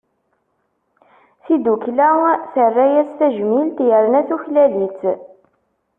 Tidukkla terra-as tajmilt, yerna tuklal-itt.